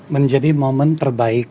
menjadi momen terbaik